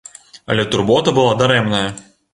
Але турбота была дарэмная.